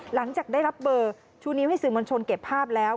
หลังจากได้รับเบอร์ชูนิ้วให้สื่อมวลชนเก็บภาพแล้ว